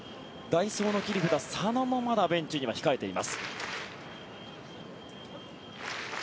代走の切り札、佐野もまだベンチには控えています。